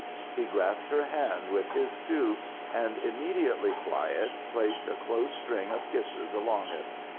He grasped her hand with his two, and, immediately quiet, placed a close string of kisses along it.